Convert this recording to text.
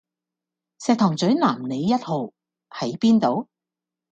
石塘嘴南里壹號喺邊度？